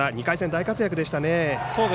２回戦、大活躍でしたね。